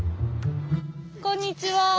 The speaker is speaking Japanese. こんにちは。